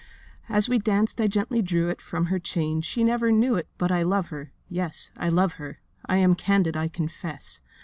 'As we danced I gently drew it From her chain—she never knew it But I love her—yes, I love her: I am candid, I confess.